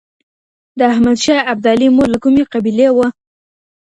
د احمد شاه ابدالي مور له کومې قبیلې وه؟